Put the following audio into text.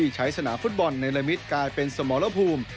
ใช้สนามฟุตบอลในละมิตกลายเป็นสมรภูมิ